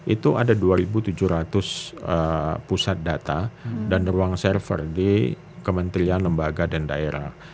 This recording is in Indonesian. itu ada dua tujuh ratus pusat data dan ruang server di kementerian lembaga dan daerah